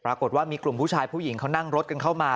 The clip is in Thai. ปรากฏว่ามีกลุ่มผู้ชายผู้หญิงเขานั่งรถกันเข้ามา